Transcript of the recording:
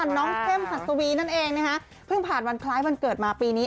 เข้มหัสวีนั่นเองนะคะเพิ่งผ่านวันคล้ายวันเกิดมาปีนี้